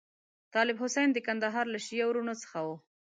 طالب حسین د کندهار له شیعه وروڼو څخه وو.